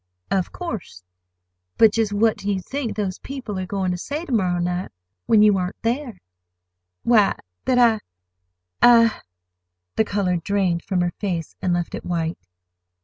"Of course. But—just what do you think these people are going to say to morrow night, when you aren't there?" "Why, that I—I—" The color drained from her face and left it white.